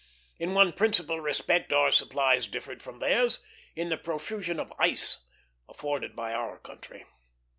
In one principal respect our supplies differed from theirs in the profusion of ice afforded by our country.